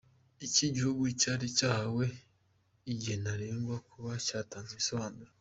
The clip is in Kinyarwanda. Iki gihugu cyari cyahawe igihe ntarengwa kuba cyatanze ibisobanuro.